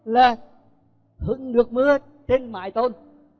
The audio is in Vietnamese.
là hưng nước mưa trên mải tôn